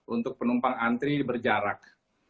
untuk penumpang antri berjarak